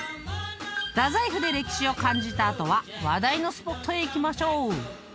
［太宰府で歴史を感じた後は話題のスポットへ行きましょう］